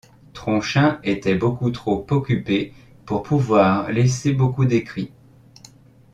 Tronchin était trop occupé pour pouvoir laisser beaucoup d’écrits.